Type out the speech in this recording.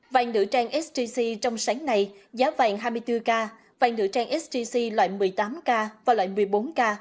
vàng nữ trang sgc trong sáng nay giá vàng hai mươi bốn k vàng nữ trang sgc loại một mươi tám k và loại một mươi bốn k